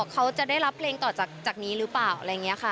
เขาจะได้รับเพลงต่อจากนี้หรือเปล่าอะไรอย่างนี้ค่ะ